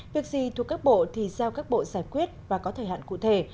việc gì thuộc các bộ thì giao các bộ giải quyết và có thời hạn cụ thể